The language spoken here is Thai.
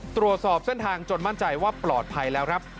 ตรวจสอบเส้นทางจนมั่นใจว่าปลอดภัยแล้วครับ